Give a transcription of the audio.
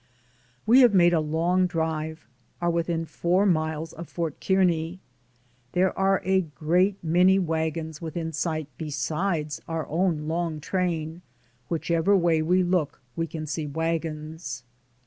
We have made a long drive, are within four miles of Fort Kearney. There are a great many wagons within sight besides our DAYS ON THE ROAD. 83 own long train, whichever way we look we can see wagons.